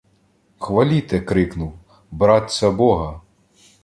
Хваліте,-крикнув,-братця, бога!